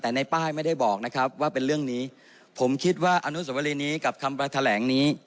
แต่ในป้ายไม่ได้บอกนะครับว่าเป็นเรื่องนี้ผมคิดว่าอนุสวรีนี้กับคำแถลงนี้